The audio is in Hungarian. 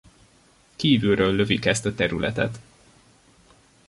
Kívülről lövik ezt a területet.